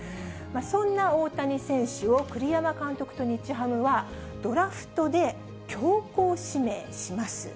そんな大谷選手を栗山監督と日ハムは、ドラフトで強行指名します。